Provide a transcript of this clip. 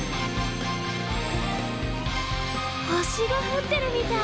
星が降ってるみたい。